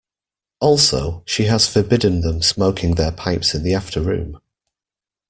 Also, she has forbidden them smoking their pipes in the after-room.